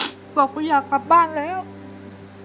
แล้วตอนนี้พี่พากลับไปในสามีออกจากโรงพยาบาลแล้วแล้วตอนนี้จะมาถ่ายรายการ